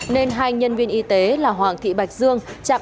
nên hai nhân viên y tế là hoàng thị bạch dương